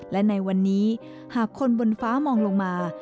และในวันนี้หากคนบนฟ้ามองลงมา